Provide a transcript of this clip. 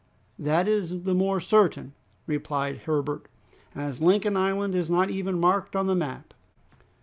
"That is the more certain," replied Herbert, "as Lincoln Island is not even marked on the map."